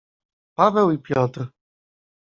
"Paweł i Piotr."